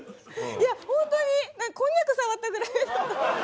ホントに、こんにゃく触ったぐらい。